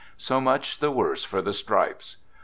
So much the worse for the stripes!